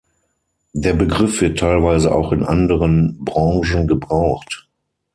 Der Begriff wird teilweise auch in anderen Branchen gebraucht.